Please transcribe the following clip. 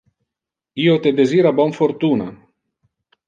Io te desira bon fortuna.